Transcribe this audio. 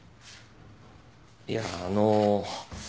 いやあの。